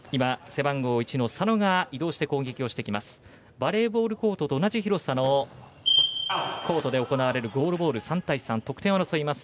バレーボールコートと同じ広さのコートで行われるゴールボール、３対３得点を争います。